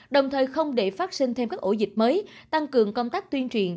đồng thời không để phát sinh thêm các ổ dịch mới tăng cường công tác tuyên truyền